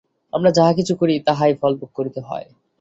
আমরা যাহা কিছু করি, তাহারই ফলভোগ করিতে হয়।